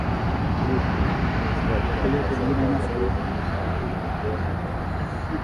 Moscow walichukua nafasi ya kwanza kuunganisha Waslavoni wa